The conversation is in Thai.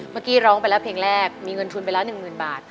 เมื่อกี้ร้องไปแล้วเพลงแรกมีเงินทุนไปแล้ว๑๐๐๐บาท